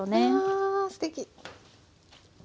あすてき！